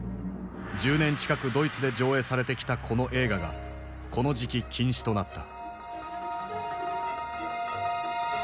１０年近くドイツで上映されてきたこの映画がこの時期禁止となった。